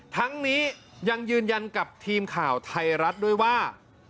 ทั้งนี้ยังยืนยันกับทีมข่าวไทยรัฐด้วยว่า